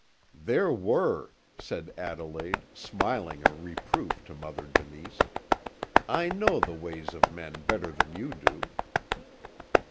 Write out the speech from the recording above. "There were," said Adelaide, smiling a reproof to Mother Denise. "I know the ways of men better than you do."